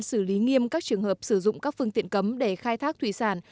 xử lý nghiêm các trường hợp sử dụng các phương tiện cấm để khai thác thủy sản